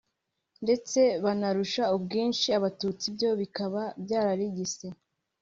ndetse banarusha ubwinshi abatutsi byo bikaba byararigise?